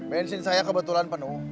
bensin saya kebetulan penuh thank you